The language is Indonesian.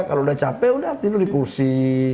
kalau udah capek udah tidur di kursi